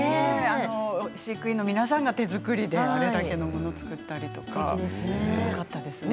飼育員の皆さんが手づくりであれだけのものをつくったりとかすごかったですね。